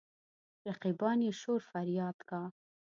رقیبان يې شور فرياد کا.